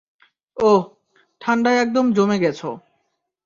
ওহ, ঠান্ডায় একদম জমে গেছ!